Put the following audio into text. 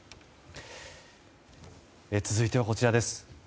続いては、こちらです。